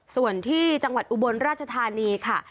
ส่วนที่จังหวัดอุบลราชธานีค่ะ